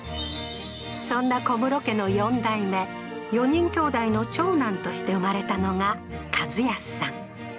そんな小室家の４代目、４人兄弟の長男として生まれたのが一康さん。